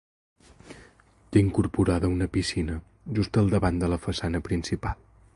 Té incorporada una piscina just al davant de la façana principal.